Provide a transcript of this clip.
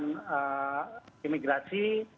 kemudian di imigrasi